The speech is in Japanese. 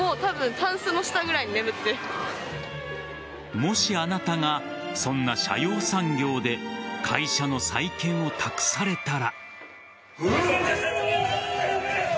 もしあなたがそんな斜陽産業で会社の再建を託されたら。